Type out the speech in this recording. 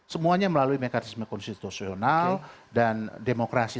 semuanya melalui mekanisme konstitusional dan demokrasi